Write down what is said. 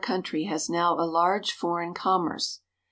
8l country has now a large foreign commerce.